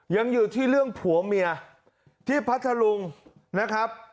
ยังอยู่ที่เรื่องผัวเมียที่พัทธลุงนะครับ